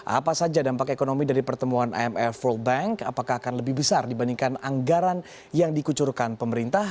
apa saja dampak ekonomi dari pertemuan imf world bank apakah akan lebih besar dibandingkan anggaran yang dikucurkan pemerintah